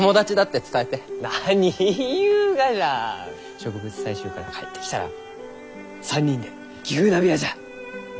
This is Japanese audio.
植物採集から帰ってきたら３人で牛鍋屋じゃ。